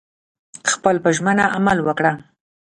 خپل په ژمنه عمل وکړه